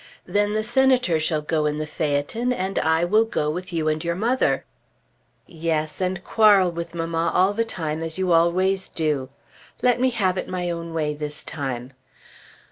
"Then the Senator shall go in the phaeton, and I will go with you and your mother." "Yes, and quarrel with mamma all the time as you always do. Let me have it my own way this time."